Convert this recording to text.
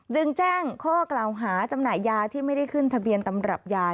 จึงแจ้งข้อกล่าวหาจำหน่ายยาที่ไม่ได้ขึ้นทะเบียนตำรับยา